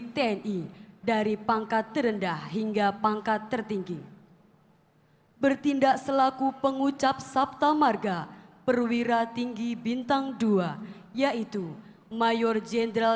terima kasih atas perkenan dan tamu undangan yang berbahagia